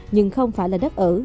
nhưng không phải là đất ở